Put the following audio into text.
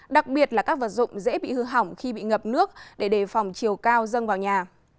đặc biệt là các vật dụng dễ bị hư hỏng khi bị ngập nước để đề phòng chiều cao dâng vào nhà